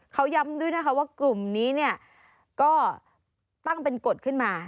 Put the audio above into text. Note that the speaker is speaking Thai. เขาย้ำด้วยนะคะว่ากลุ่มนี้เนี่ยก็ตั้งเป็นกฎขึ้นมา